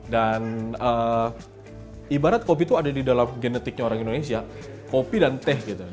dan ibarat kopi itu ada di dalam genetiknya orang indonesia kopi dan teh gitu